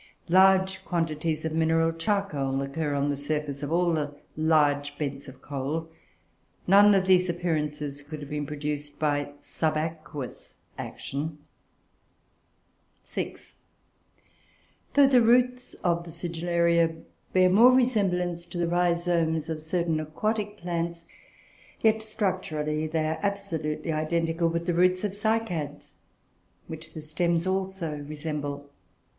Large quantities of mineral charcoal occur on the surface of all the large beds of coal. None of these appearances could have been produced by subaqueous action. (6) Though the roots of the Sigillaria bear more resemblance to the rhizomes of certain aquatic plants; yet, structurally, they are absolutely identical with the roots of Cycads, which the stems also resemble.